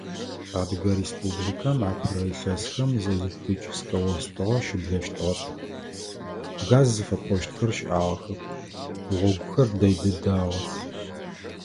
Адыгэ Республикэм апэрэ илъэсхэм зы электрическэ остыгъэ щыблэщтыгъэп, газ зыфэпӏощтхэр щыӏагъэхэп, гъогухэр дэй дэдагъэх.